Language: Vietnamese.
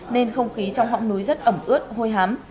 nên không khí trong hõng núi rất ẩm ướt hôi hám